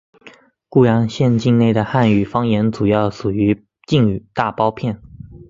固阳县境内的汉语方言主要属于晋语大包片。